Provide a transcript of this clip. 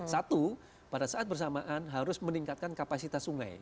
satu pada saat bersamaan harus meningkatkan kapasitas sungai